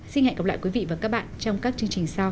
xin hẹn gặp lại quý vị và các bạn trong các chương trình sau